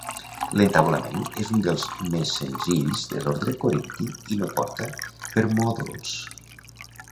L'entaulament és un dels més senzills de l'ordre corinti i no porta permòdols.